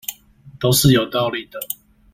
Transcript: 都是有道理的